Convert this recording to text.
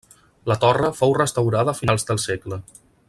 La torre fou restaurada a finals del segle.